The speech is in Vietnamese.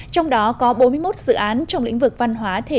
trong đó có bốn mươi một dự án